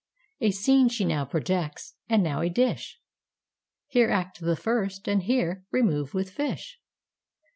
A scene she now projects, and now a dish; Here Act the First, and here, Remove with Fish.